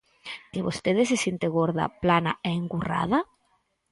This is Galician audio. Que vostede se sinte gorda, plana, engurrada?